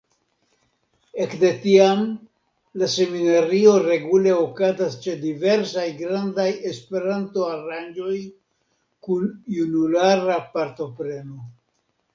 Ekde tiam la seminario regule okazas ĉe diversaj grandaj Esperanto-aranĝoj kun junulara partopreno.